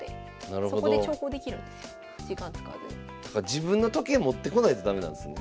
自分の時計持ってこないと駄目なんですね。